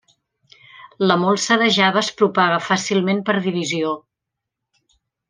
La molsa de Java es propaga fàcilment per divisió.